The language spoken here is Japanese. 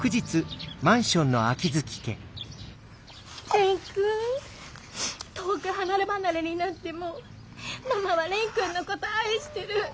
蓮くん遠く離れ離れになってもママは蓮くんのこと愛してる。